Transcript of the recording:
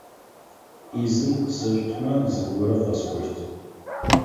Ӏизын къысэшъутмэ, зыгорэ къэсӀощт.